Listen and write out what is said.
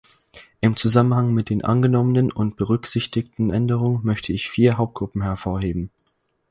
Im Zusammenhang mit den angenommenen und berücksichtigten Änderungen möchte ich vier Hauptgruppen hervorheben.